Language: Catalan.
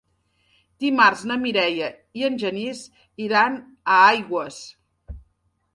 Dimarts na Mireia i en Genís iran a Aigües.